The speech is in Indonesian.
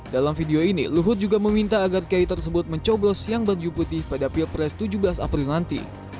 dalam video ini luhut juga meminta agar kiai tersebut mencoblos yang baju putih pada pilpres tujuh belas april nanti